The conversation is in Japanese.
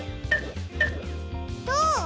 どう？